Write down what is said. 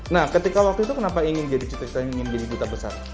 nah ketika waktu itu kenapa ingin jadi duta besar